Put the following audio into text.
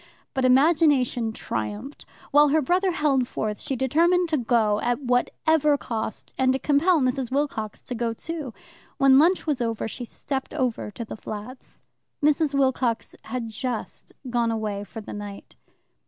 But imagination triumphed. While her brother held forth she determined to go, at whatever cost, and to compel Mrs. Wilcox to go, too. When lunch was over she stepped over to the flats. Mrs. Wilcox had just gone away for the night.